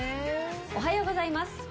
おはようございます。